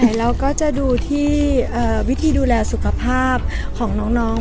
เราก็จะดูที่วิธีดูแลสุขภาพของน้อง